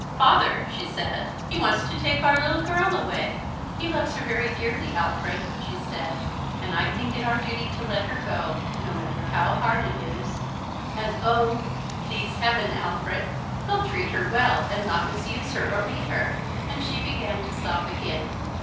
"Father," she said, "he wants to take our little girl away. He loves her very dearly, Alfred," she said, "and I think it our duty to let her go, no matter how hard it is, and oh, please Heaven, Alfred, he'll treat her well and not misuse her, or beat her," and she began to sob again.